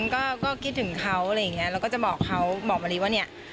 ก็คิดถึงเขาเขาแล้วก็จะบอกเขาบอกมะลิว่าเนี่ย